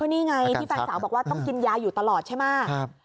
นี่ไงที่แฟนสาวบอกว่าต้องกินยาอยู่ตลอดใช่ไหม